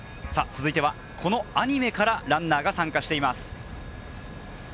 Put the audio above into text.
続いてはこのアニメからランナーが参加しています。